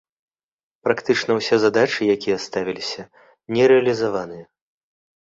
Практычна ўсе задачы, якія ставіліся, не рэалізаваныя.